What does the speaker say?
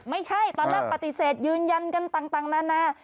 ไม่ใช่ตอนแรกปฏิเสธยืนยันกันต่างนานา